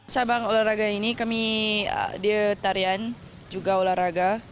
cabang olahraga ini kami dia tarian juga olahraga